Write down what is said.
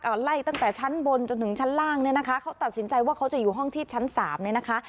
เอาไล่ตั้งแต่ชั้นบนจนถึงชั้นล่างเนี่ยนะคะเขาตัดสินใจว่าเขาจะอยู่ห้องที่ชั้นสามเนี่ยนะคะ